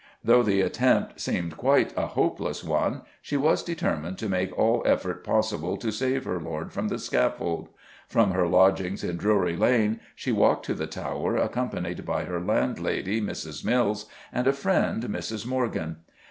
Though the attempt seemed quite a hopeless one, she was determined to make all effort possible to save her lord from the scaffold. From her lodgings in Drury Lane she walked to the Tower, accompanied by her landlady, Mrs. Mills, and a friend, Mrs. Morgan. Mrs.